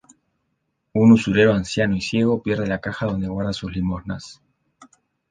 Un usurero anciano y ciego pierde la caja donde guarda sus limosnas.